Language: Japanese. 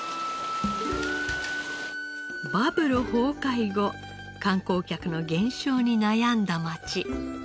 バブル崩壊後観光客の減少に悩んだ街。